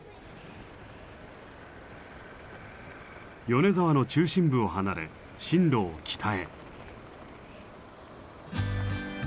米沢の中心部を離れ進路を北へ。